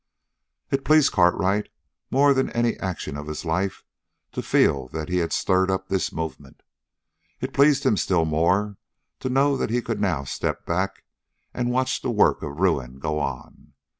It pleased Cartwright more than any action of his life to feel that he had stirred up this movement. It pleased him still more to know that he could now step back and watch the work of ruin go on.